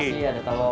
ada nasi ada telur